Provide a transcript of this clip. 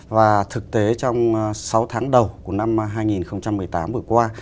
và thực tế trong sáu tháng đầu của năm hai nghìn một mươi tám vừa qua